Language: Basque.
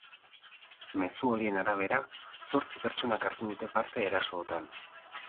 Mezu horien arabera, zortzi pertsonak hartu dute parte erasootan.